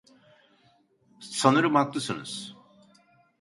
Sanırım haklısınız.